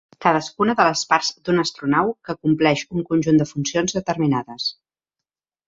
Cadascuna de les parts d'una astronau que acompleix un conjunt de funcions determinades.